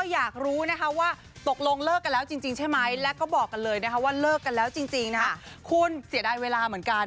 อยากรู้นะคะว่าตกลงเลิกกันแล้วจริงใช่ไหมแล้วก็บอกกันเลยนะคะว่าเลิกกันแล้วจริงคุณเสียดายเวลาเหมือนกัน